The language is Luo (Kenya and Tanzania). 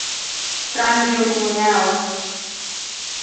Rangi orumo yawa.